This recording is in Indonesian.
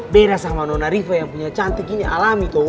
beda sama nona riva yang punya cantik ini alami